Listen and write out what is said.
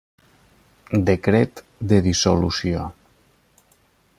Decret de Dissolució.